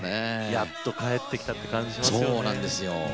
やっと帰ってきたという感じがしますよね。